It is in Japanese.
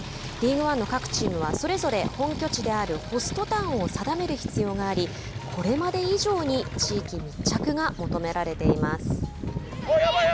リーグワンの各チームはそれぞれ本拠地であるホストタウンを定める必要がありこれまで以上に地域密着が求められています。